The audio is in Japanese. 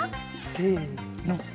せの。